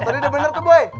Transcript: tadi udah bener tuh buy